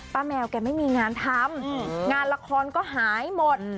แมวแกไม่มีงานทำงานละครก็หายหมด